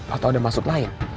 atau ada maksud lain